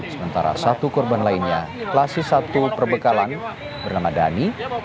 sementara satu korban lainnya klasis satu perbekalan bernama dhani